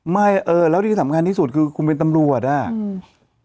เออแล้วที่สำคัญที่สุดคือคุณเป็นตำรวจอ่ะอืม